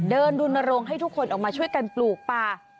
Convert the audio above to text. เดินดุนโรงให้ทุกคนออกมาช่วยกันปลูกป่า